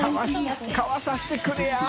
「買わさせてくれや！」